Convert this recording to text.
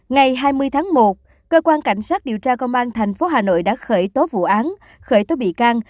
ngày hai mươi tháng một cơ quan cảnh sát điều tra công an tp hà nội đã khởi tố vụ án khởi tố bị can